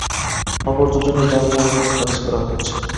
অপর দুজনের জামিন আবেদন খারিজ করা হয়েছে।